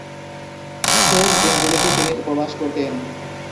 শেষ দিনগুলিতে তিনি উপবাস করতেন।